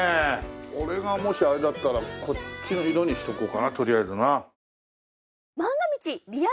俺がもしあれだったらこっちの色にしておこうかなとりあえずな。